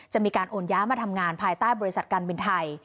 มีการโอนย้ายมาทำงานภายใต้บริษัทการบินไทย